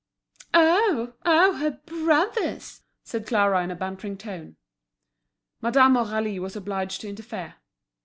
"Oh! oh! her brothers!" said Clara in a bantering tone. Madame Aurélie was obliged to interfere.